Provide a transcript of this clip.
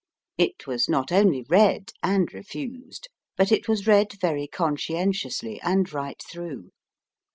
It was not only read and refused but it was read very conscientiously and right through.